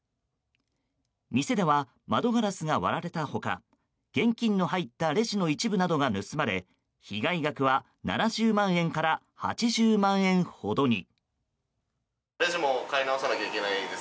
店では窓ガラスが割られた他現金の入ったレジの一部などが盗まれ被害額は７０万円から８０万円ほどに。